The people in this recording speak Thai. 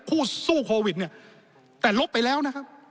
สู้โควิดเนี่ยแต่ลบไปแล้วนะครับ